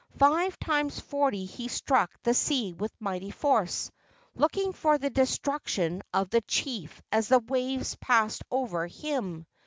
Five times forty he struck the sea with mighty force, looking for the destruction of the chief as the waves passed over him.